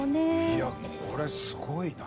いやこれすごいな！